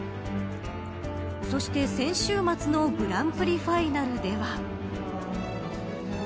そして先週末のグランプリファイナルでは。